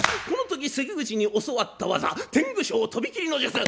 この時関口に教わった技天狗昇飛び斬りの術。